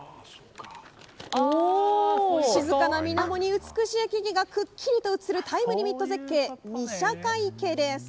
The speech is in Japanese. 静かな水面に美しい木々がくっきりと映るタイムリミット絶景御射鹿池です。